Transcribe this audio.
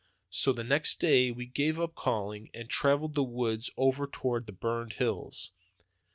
So the next day we gave up calling and traveled the woods over toward the burned hills.